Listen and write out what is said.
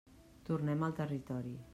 Tornem al territori.